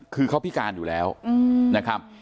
คือเขาพิการอยู่แล้วนะครับ